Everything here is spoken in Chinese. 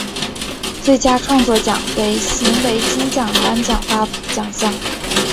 最佳创作奖为现行金曲奖颁发奖项。